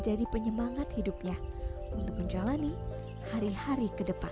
jadi penyemangat hidupnya untuk menjalani hari hari ke depan